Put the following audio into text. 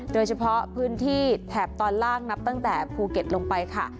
โดยเฉพาะพื้นที่แถบตอนล่างนับตั้งแต่ภูเก็ตลงไปค่ะ